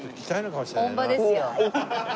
本場ですよ。